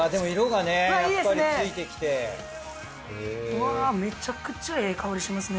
うわぁめっちゃくちゃええ香りしますね。